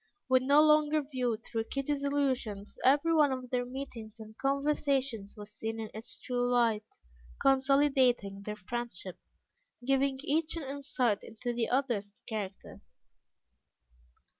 When no longer viewed through Kitty's illusions, every one of their meetings and conversations was seen in its true light, consolidating their friendship, giving each an insight into the other's character.